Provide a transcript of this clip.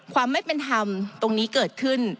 ความไม่เป็นธรรมตรงนี้เกิดขึ้น